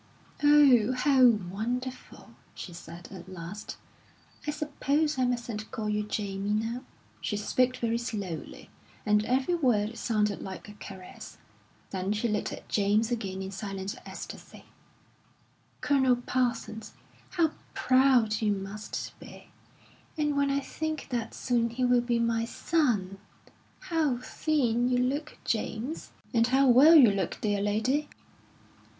"Oh, how wonderful!" she said, at last "I suppose I mustn't call you Jamie now." She spoke very slowly, and every word sounded like a caress. Then she looked at James again in silent ecstasy. "Colonel Parsons, how proud you must be! And when I think that soon he will be my son! How thin you look, James!" "And how well you look, dear lady!"